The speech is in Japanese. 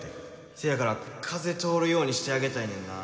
せやから風通るようにしてあげたいねんな。